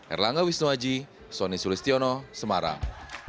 erlangga wisnuaji soni sulistiono semarang